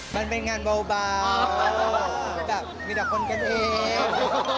มันเป็นงานเบาแบบมีแต่คนกันเอง